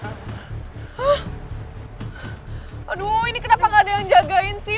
hah aduh ini kenapa nggak ada yang jagain sih